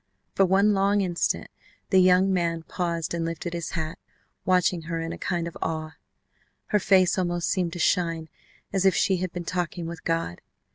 For one long instant the young man paused and lifted his hat, watching her in a kind of awe. Her face almost seemed to shine as if she had been talking with God.